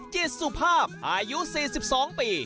จิตสุภาพอายุ๔๒ปี